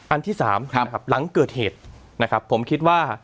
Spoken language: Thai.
อันที่สามครับครับหลังเกิดเหตุนะครับผมคิดว่า